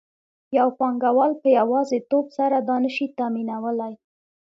یو پانګوال په یوازیتوب سره دا نشي تامینولی